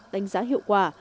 đánh giá hiệu quả